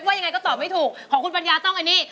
เฟ้กว่ายังไงก็ตอบไม่ถูกขอขุนปัญญาต้องอันนี้